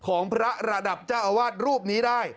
ของพระระดับเจ้าอาวาสรูปนี้ได้